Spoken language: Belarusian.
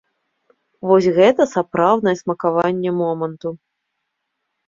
Вось гэта сапраўднае смакаванне моманту.